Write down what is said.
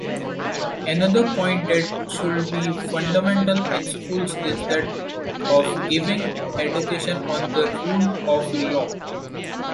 Another point that should be fundamental in schools is that of giving education on the rule of law.